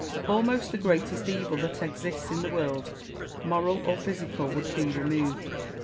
Malesherhes. Almost the greatest evil that exists in the world, moral or physical, would be removed.